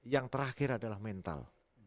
yang terakhir adalah mental